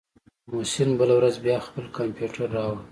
محسن بله ورځ بيا خپل کمپيوټر راوړ.